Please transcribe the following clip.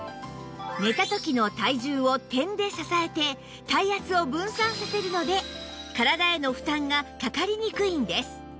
寝た時の体重を点で支えて体圧を分散させるので体への負担がかかりにくいんです